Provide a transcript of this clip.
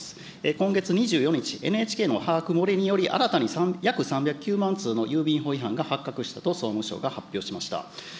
今月２４日、ＮＨＫの把握漏れにより、新たに約３０９万通の郵便法違反が発覚したと総務省が発表しました。